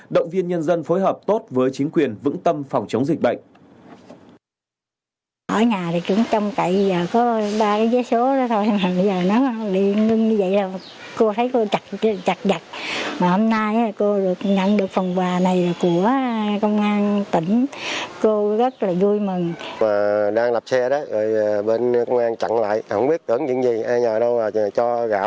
dân phối hợp tốt với chính quyền vững tâm phòng chống dịch bệnh